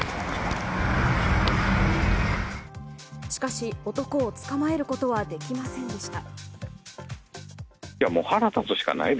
しかし、男を捕まえることはできませんでした。